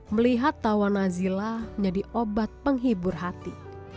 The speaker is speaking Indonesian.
melihat tawa nazila menjadi obat penghibur hati